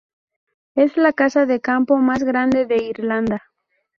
Es la casa de campo más grande de Irlanda.